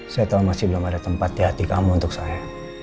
saya tahu masih belum ada tempat di hati kamu untuk saya